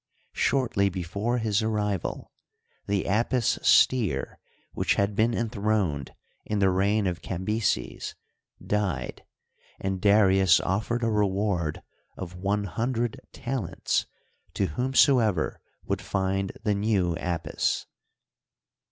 Shortly before his arrival, the Apis steer which had been enthroned in the reig^ of Cambyses died and Darius offered a reward of one hundred talents to whom soever would find the new Apis.